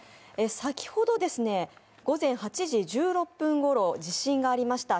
先ほど、午前８時１６分ごろ、地震がありました。